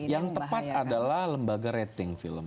yang tepat adalah lembaga rating film